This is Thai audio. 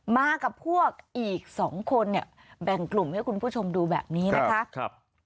มากับพวกอีก๒คนเนี่ยแบ่งกลุ่มให้คุณผู้ชมดูแบบนี้นะคะ